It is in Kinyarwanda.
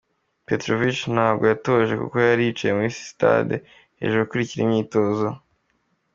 Petrovic ntabwo yatoje kuko yari yicaye muri sitade hejuru akurikira imyitozo.